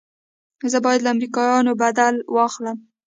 زه بايد له امريکايانو بدل واخلم.